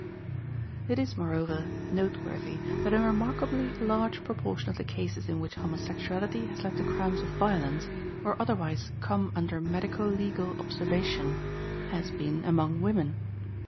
It is, moreover, noteworthy that a remarkably large proportion of the cases in which homosexuality has led to crimes of violence, or otherwise come under medico legal observation, has been among women.